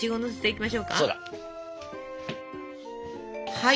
はい。